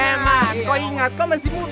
emang kau ingat kau masih muda